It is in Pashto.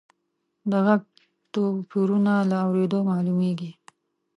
د غږ توپیرونه له اورېدلو معلومیږي.